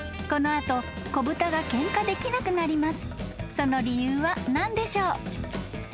［その理由は何でしょう？］